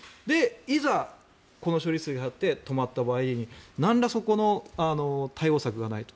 いざ、この処理水をやって止まった場合になんらそこの対応策がないと。